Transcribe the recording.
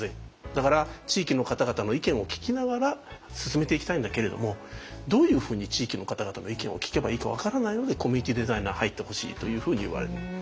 だから地域の方々の意見を聞きながら進めていきたいんだけれどもどういうふうに地域の方々の意見を聞けばいいか分からないのでコミュニティデザイナー入ってほしいというふうに言われる。